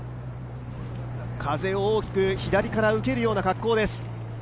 風を大きく左から受けるような格好です。